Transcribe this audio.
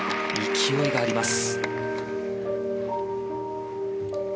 勢いがあります。